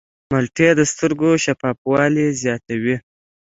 مالټې د سترګو شفافوالی زیاتوي.